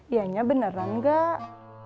ianya beneran kak